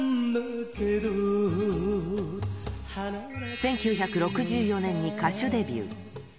１９６４年に歌手デビュー。